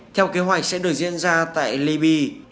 theo kế hoạch sẽ được diễn ra tại libreville